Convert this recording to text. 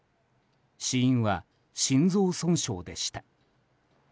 死因は心臓損傷でした。